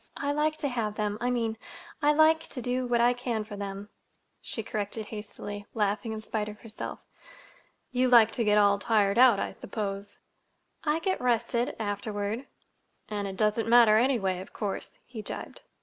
I like to have them—I mean, I like to do what I can for them," she corrected hastily, laughing in spite of herself. "You like to get all tired out, I suppose." "I get rested—afterward." "And it doesn't matter, anyway, of course," he gibed.